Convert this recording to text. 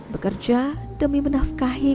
bekerja demi menafkahi